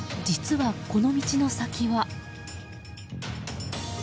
実は、この道の先は。